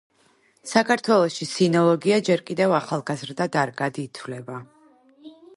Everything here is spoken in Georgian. საქართველოში სინოლოგია ჯერ კიდევ ახალგაზრდა დარგად ითვლება.